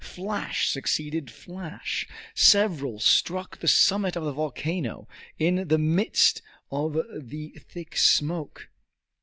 Flash succeeded flash. Several struck the summit of the volcano in the midst of the thick smoke.